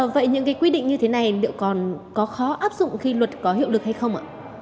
vậy những quy định như thế này liệu còn có khó áp dụng khi luật có hiệu lực hay không ạ